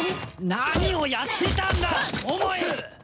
何をやってたんだ桃井！